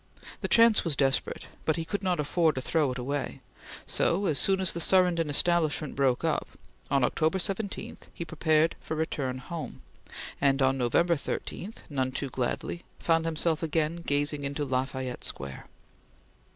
The chance was desperate, but he could not afford to throw it away; so, as soon as the Surrenden establishment broke up, on October 17, he prepared for return home, and on November 13, none too gladly, found himself again gazing into La Fayette Square.